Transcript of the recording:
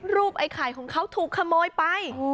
ไอ้ไข่ของเขาถูกขโมยไป